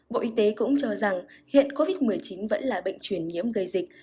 bộ y tế cũng cho rằng hiện covid một mươi chín vẫn là bệnh truyền nhiễm gây dịch